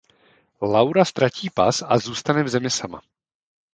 Laura ztratí pas a zůstane v zemi sama.